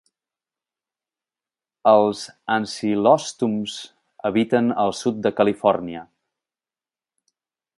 Els ancilòstoms habiten al sud de Califòrnia.